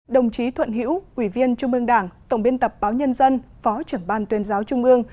đồng chí thuận hiễu ủy viên trung ương đảng tổng biên tập báo nhân dân phó trưởng ban tuyên giáo trung ương